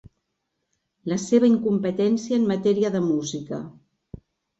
La seva incompetència en matèria de música.